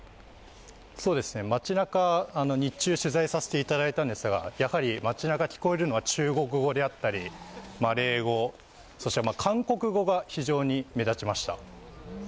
街なか、日中取材させていただいたのですが、やはり聞こえるのは中国語であったりマレー語、そして韓国語が非常に目立ちました。